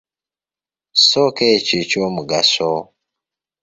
Soosa ekyo eky'omugaso.